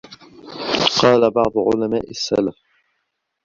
وَقَالَ بَعْضُ عُلَمَاءِ السَّلَفِ